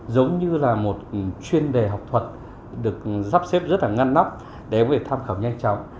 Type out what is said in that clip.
giống như là một chuyên đề học thuật được sắp xếp rất ngăn nóc để em có thể tham khảo nhanh chóng